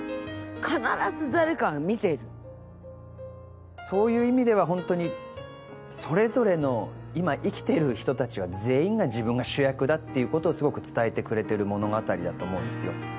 必ず誰かが見ているそういう意味ではホントにそれぞれの今生きている人たちは全員が自分が主役だっていうことをすごく伝えてくれてる物語だと思うんですよ